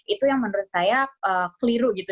itu yang menurut saya keliru gitu